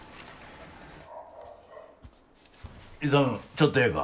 ちょっとええか？